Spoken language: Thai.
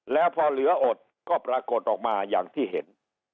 แล้วพอเหลืออดก็ปรากฏออกมาอย่างที่เห็น